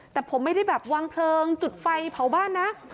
แต่ผมไม่ได้แบบวางเพลิงจุดไฟเผาบ้านนะ